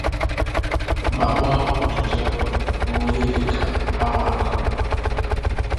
ma gbaa ọtụtụ egbe ruo ihe dịka awa atọ